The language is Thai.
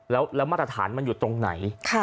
แล้วมาตรฐานมันอยู่ตรงไหน